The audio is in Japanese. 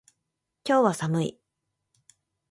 今日は寒い。